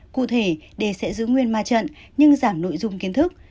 cụ thể để sẽ giữ nguyên ma trận nhưng giảm nội dung kiến thức